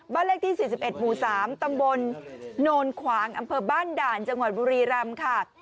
เลขที่๔๑หมู่๓ตำบลโนนขวางอำเภอบ้านด่านจังหวัดบุรีรำค่ะ